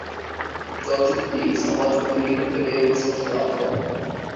চলচ্চিত্রটি সমালোচকদের নিকট থেকে প্রশংসা লাভ করে।